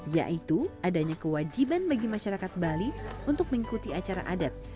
yaitu adanya kewajiban bagi masyarakat bali untuk mengikuti acara adat